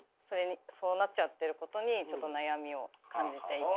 そうなっちゃってることにちょっと悩みを感じていて。